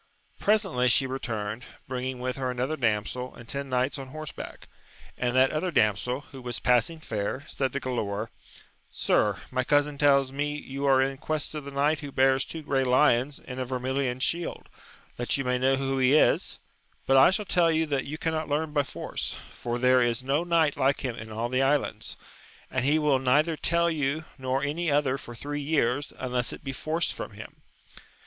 Presently she returned, bring ing with her another damsel and ten knights on horseback ; and that other damsel, who was passing fair, said to Galaor, Sir, my cousin tells me you are in quest of the knight who bears two grey lions in a vermilion shield, that you may know who he is ; but I tell you that you cannot learn by force, for there is no knight like him in all the islands, and he will neither tell you nor any other for three years, unless it be forced from him.